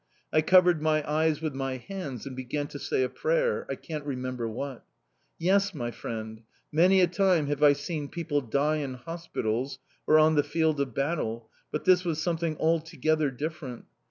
I covered my eyes with my hands and began to say a prayer I can't remember what... Yes, my friend, many a time have I seen people die in hospitals or on the field of battle, but this was something altogether different!